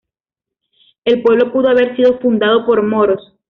El pueblo pudo haber sido fundado por moros.